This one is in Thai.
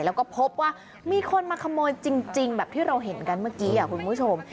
แล้วก็พบว่ามีคนมาขโมยจริงแบบที่เราเห็นกันเมื่อกี้คุณผู้ชม